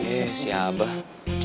eh si abah